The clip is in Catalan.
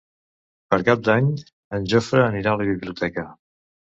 Per Cap d'Any en Jofre anirà a la biblioteca.